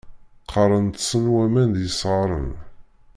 Qqaren ṭsen waman d yisɣaṛen.